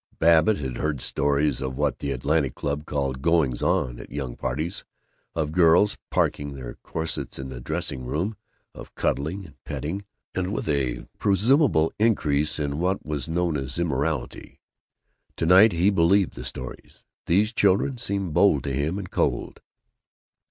Babbitt had heard stories of what the Athletic Club called "goings on" at young parties; of girls "parking" their corsets in the dressing room, of "cuddling" and "petting," and a presumable increase in what was known as Immorality. To night he believed the stories. These children seemed bold to him, and cold.